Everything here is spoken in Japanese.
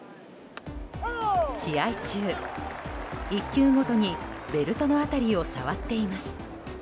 試合中、１球ごとにベルトの辺りを触っています。